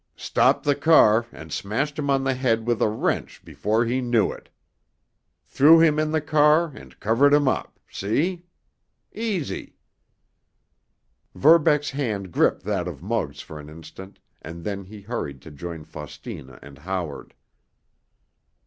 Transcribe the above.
Stopped the car and smashed him on the head with a wrench before he knew it! Threw him in the car and covered him up—see? Easy!" Verbeck's hand gripped that of Muggs for an instant, and then he hurried to join Faustina and Howard.